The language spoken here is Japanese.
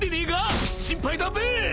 ［心配だべ！］